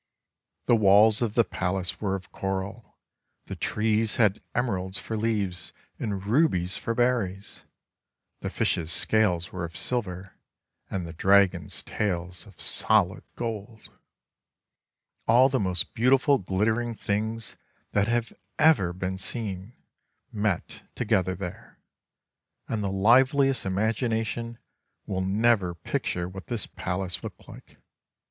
The walls of the palace were of coral, the trees had emeralds for leaves and rubies for berries, the fishes' scales were of silver, and the dragons' tails of solid gold. All the most beautiful glittering things that have ever been seen met together there, and the liveliest imagination will never picture what this palace looked like.